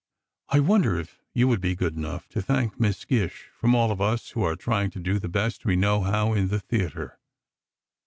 I wonder if you would be good enough to thank Miss Gish from all of us who are trying to do the best we know how in the theatre.